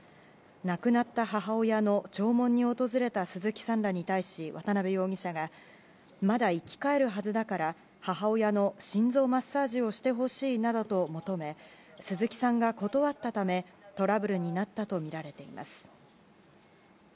亡くなった母親の弔問に訪れた鈴木さんらに対し渡辺容疑者がまだ生き返るはずだから母親の心臓マッサージをしてほしいなどと求め鈴木さんが断ったためトラブルになったとみられています。